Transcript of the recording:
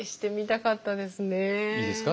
いいですか？